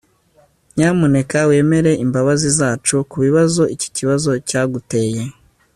nyamuneka wemere imbabazi zacu kubibazo iki kibazo cyaguteye